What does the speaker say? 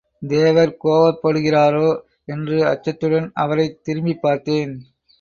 தேவர் கோபப்படுகிறாரோ என்று அச்சத்துடன் அவரைத் திரும்பிப் பார்த்தேன்.